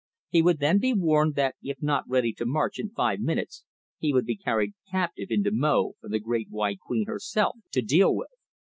He would then be warned that if not ready to march in five minutes, he would be carried captive into Mo for the Great White Queen herself to deal with.